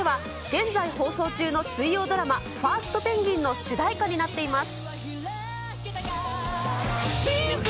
現在放送中の水曜ドラマ、ファーストペンギン！の主題歌になっています。